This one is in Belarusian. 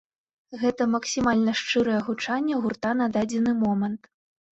Гэта максімальна шчырае гучанне гурта на дадзены момант.